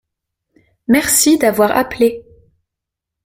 Merci d’avoir appelé.